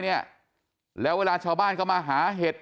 เนี่ยแล้วเวลาชาวบ้านเข้ามาหาเห็ด